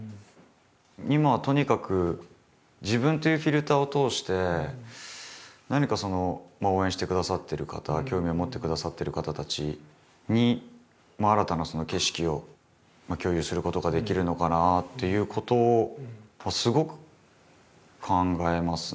今はとにかく自分というフィルターを通して何か応援してくださってる方興味を持ってくださってる方たちに新たな景色を共有することができるのかなっていうことはすごく考えますね。